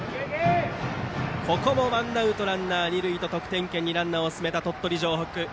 ここもワンアウトランナー、二塁と得点圏にランナーを進めた鳥取城北。